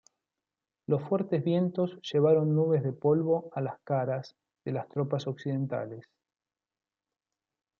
Los fuertes vientos llevaron nubes de polvo a las caras de las tropas occidentales.